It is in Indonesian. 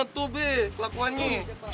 tuh be kelakuan ini